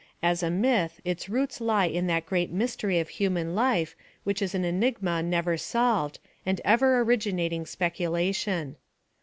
As a myth, its roots lie in that great mystery of human life which is an enigma never solved, and ever originating speculation.